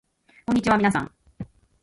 こんにちはみなさん